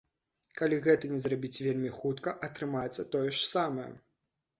Калі гэтага не зрабіць вельмі хутка, атрымаецца тое ж самае.